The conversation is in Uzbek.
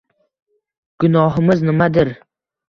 Gunohimiz nimadir?